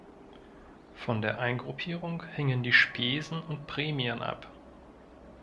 Von der Eingruppierung hingen die Spesen und Prämien ab.